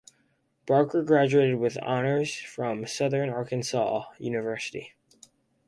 Barker graduated with honors from Southern Arkansas University.